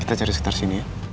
kita cari sekitar sini